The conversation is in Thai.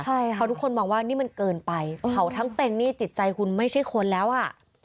เพราะทุกคนมองว่านี่มันเกินไปเขาทั้งเป็นนี่จิตใจคุณไม่ใช่คนแล้วอ่ะ